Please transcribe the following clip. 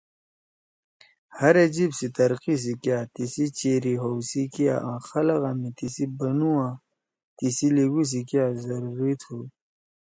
ہر اے جیِب سی ترقی سی کیا، تیسی چیری ہؤ سی کیا آں خلگا می تیِسی بنُو آں تیِسی لیِگُو سی کیا ضروری تُھو۔